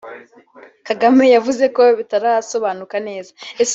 Kagame yavuze ko bitarasobanuka neza